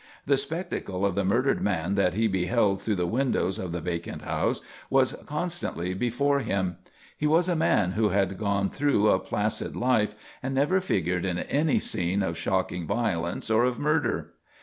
The spectacle of the murdered man that he beheld through the windows of the vacant house was constantly before him. He was a man who had gone through a placid life and never figured in any scene of shocking violence or of murder.